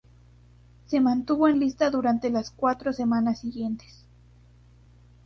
Se mantuvo en la lista durante las cuatro semanas siguientes.